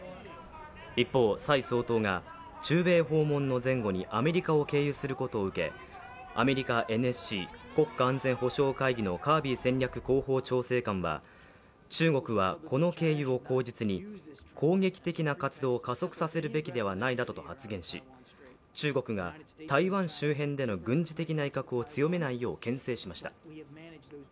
一方、蔡総統が中米訪問の前後にアメリカを訪問することを受け、アメリカＮＳＣ＝国家安全保障会議のカービー戦略広報調整官は中国はこの経由を口実に攻撃的な活動を加速させるべきではないなどと発言し中国が台湾周辺での軍事的な威嚇を強めないようけん制しました。